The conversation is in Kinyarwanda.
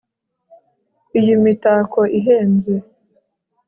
Iyi mitako ihenze